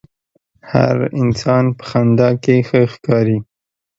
هر انسان په خندا کښې ښه ښکاري.